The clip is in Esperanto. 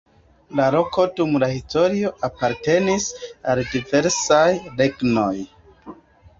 La loko dum la historio apartenis al diversaj regnoj.